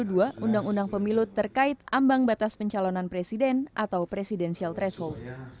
menolak uji materi pasal dua ratus dua puluh dua undang undang pemilu terkait ambang batas pencalonan presiden atau presidensial threshold